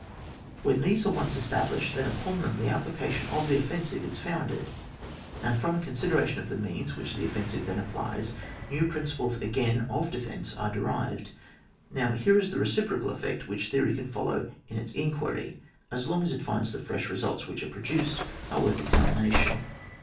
When these are once established, then upon them the application of the offensive is founded, and &om a consideration of the means which the offensive then applies, new principles again of defence are derived. Now here is the reciprocal effect which theory can follow in its in quiry, aslong as it finds the fresh results which are produced are worth examina tion.